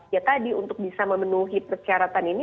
ya tadi untuk bisa memenuhi persyaratan ini